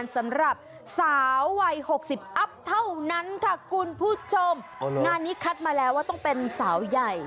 งานนี้คัดมาแล้วว่าต้องเป็นสาวใหญ่